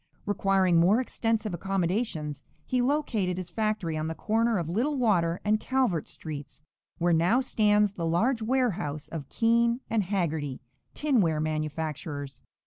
Requiring more extensive accommodations, he located his factory on the corner of Little Water and Calvert streets, where now stands the large warehouse of Keen & Hagerty, tinware manufacturers.